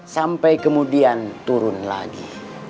sampai kemudian turun lagi